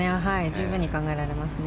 十分に考えられますね。